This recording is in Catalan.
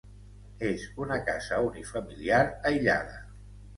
És una casa unifamiliar aïllada.